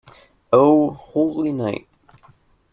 O holy night.